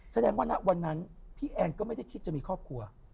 แสดงว่าณวันนั้นพี่แอนก็ไม่ได้คิดจะมีครอบครัว